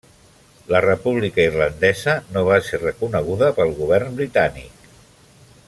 La República Irlandesa no va ser reconeguda pel Govern Britànic.